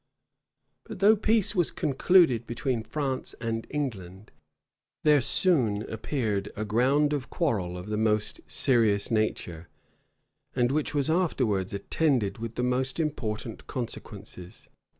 But though peace was concluded between France and England, there soon appeared a ground of quarrel of the most serious nature, and which was afterwards attended with the most important consequences.